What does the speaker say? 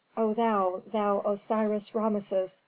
_ "O thou, thou Osiris Rameses!